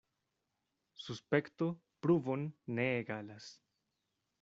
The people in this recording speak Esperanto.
Suspekto pruvon ne egalas.